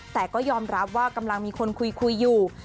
แต่ก็ยอมรับว่ากำลังมีคนคุยอยู่